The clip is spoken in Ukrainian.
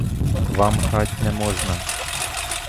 Вам грать не можна.